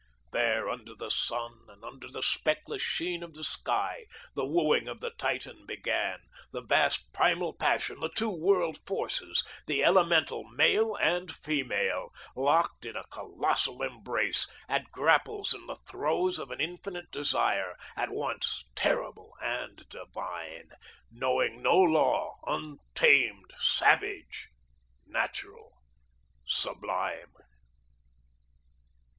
There, under the sun and under the speckless sheen of the sky, the wooing of the Titan began, the vast primal passion, the two world forces, the elemental Male and Female, locked in a colossal embrace, at grapples in the throes of an infinite desire, at once terrible and divine, knowing no law, untamed, savage, natural, sublime.